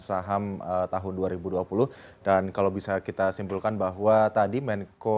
saham tahun dua ribu dua puluh dan kalau bisa kita simpulkan bahwa tadi menko